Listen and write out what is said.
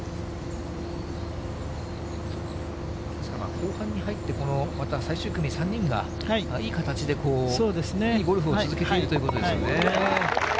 後半に入って、このまた最終組３人が、いい形で、いいゴルフを続けているということですよね。